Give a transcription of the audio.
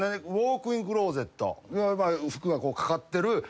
ウオークインクローゼット服がかかってる。